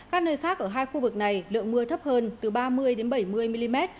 các nơi khác ở hai khu vực này lượng mưa thấp hơn từ ba mươi bảy mươi mm